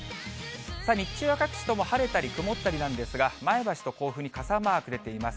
日中は各地とも晴れたり曇ったりなんですが、前橋と甲府に傘マーク出ています。